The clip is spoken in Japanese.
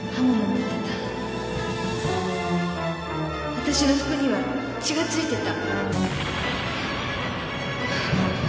あたしの服には血が付いてた。